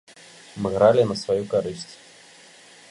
Мы гралі на сваю карысць.